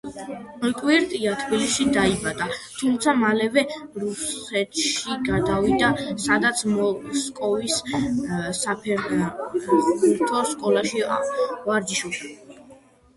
კვირტია თბილისში დაიბადა, თუმცა მალევე რუსეთში გადავიდა, სადაც მოსკოვის საფეხბურთო სკოლაში ვარჯიშობდა.